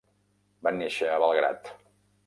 Va néixer a Belgrad.